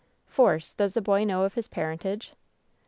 "Force, does the boy know of his parentage?"